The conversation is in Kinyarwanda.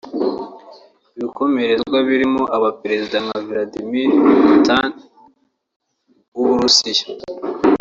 Ibikomerezwa birimo aba Perezida nka Vladmir Putin w’u Burusiya